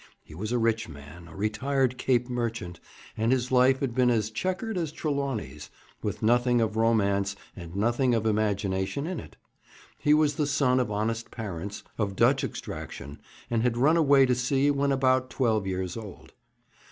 He was a rich man, a retired Cape merchant, and his life had been as chequered as Trelawney's, with nothing of romance and nothing of imagination in it. He was the son of honest parents, of Dutch extraction, and had run away to sea when about twelve years old.